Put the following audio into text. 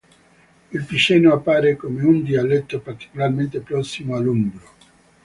Il piceno appare come un dialetto particolarmente prossimo all'umbro.